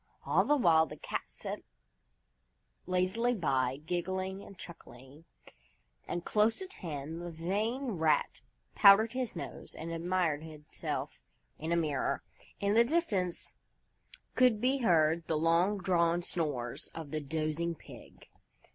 All the while the Cat sat lazily by, giggling and chuckling. And close at hand the vain Rat powdered his nose and admired himself in a mirror. In the distance could be heard the long drawn snores of the dozing Pig.